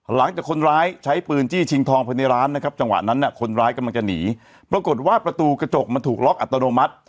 หลังจากคนร้ายใช้ปืนจี้ชิงทองภายในร้านนะครับจังหวะนั้นคนร้ายกำลังจะหนีปรากฏว่าประตูกระจกมันถูกล็อกอัตโนมัติ